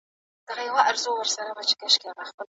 الله دې زموږ زړونه پاک کړي.